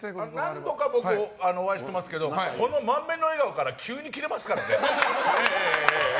何度か僕、お会いしてますけどこの満面の笑顔から急にキレますからね。